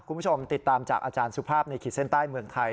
คุณผู้ชมติดตามจากอาจารย์สุภาพในขีดเส้นใต้เมืองไทย